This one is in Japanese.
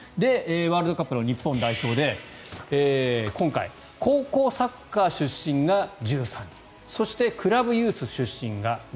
ワールドカップの日本代表で今回、高校サッカー出身が１３人そしてクラブユース出身が１３人。